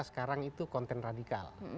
sekarang itu konten radikal